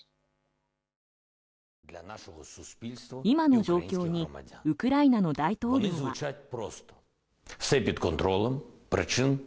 今の状況にウクライナの大統領は。